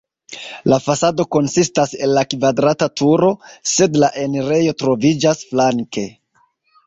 La fasado konsistas el la kvadrata turo, sed la enirejo troviĝas flanke.